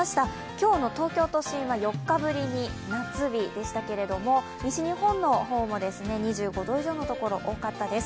今日の東京都心は４日ぶりに夏日でしたけれども西日本の方も２５度以上のところ、多かったです。